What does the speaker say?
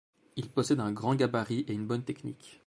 Il possède un grand gabarit et une bonne technique.